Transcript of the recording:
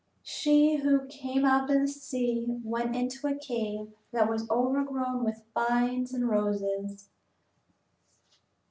She who came out of the sea went into a cave that was overgrown with vines and roses.